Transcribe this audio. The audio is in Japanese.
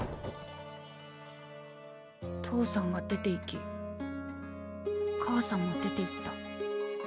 父さんが出ていき母さんも出ていった。